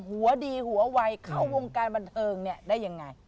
หัวดีหัวไวเข้าวงการบันเทิงได้ยังไง